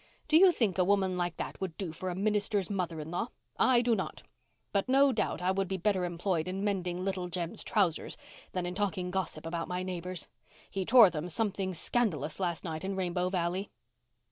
Do you think a woman like that would do for a minister's mother in law? I do not. But no doubt I would be better employed in mending little Jem's trousers than in talking gossip about my neighbours. He tore them something scandalous last night in Rainbow Valley."